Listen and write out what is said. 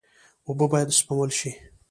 اوبه باید سپمول شي.